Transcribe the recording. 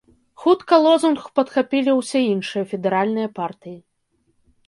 Хутка лозунг падхапілі ўсе іншыя федэральныя партыі.